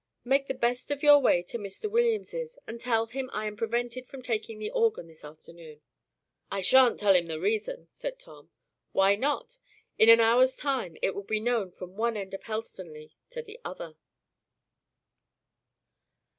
"Make the best of your way to Mr. Williams's, and tell him I am prevented from taking the organ this afternoon." "I shan't tell him the reason," said Tom. "Why not? In an hour's time it will be known from one end of Helstonleigh to the other."